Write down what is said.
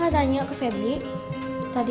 kalau ada yang merah di dalam